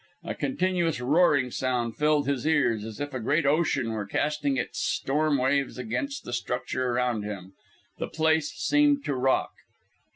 A continuous roaring sound filled his ears, as if a great ocean were casting its storm waves against the structure around him. The place seemed to rock.